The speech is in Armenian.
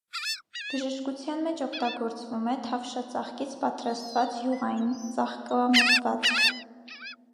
Բժշկության մեջ օգտագործվում է թավշածաղկից պատրաստված յուղային ծաղկամզվածք։